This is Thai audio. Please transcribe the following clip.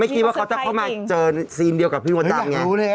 ไม่คิดว่าเขาจะเข้ามาเจอซีนเดียวกับพี่นุ่มดังไงอยากรู้เลยอะ